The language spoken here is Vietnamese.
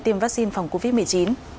tiêm vaccine phòng covid một mươi chín